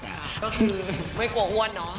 ก็คือไม่กลัวอ้วนเหรอ